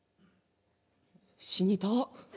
死にたぁ。